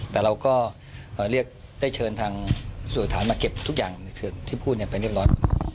แต่เราก็ได้เชิญทางสู่ฐานมาเก็บทุกอย่างในส่วนที่พูดไปเรียบร้อย